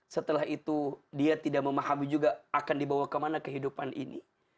setelah itu dia tidak memahami juga akan dibawa kemana kehidupan ini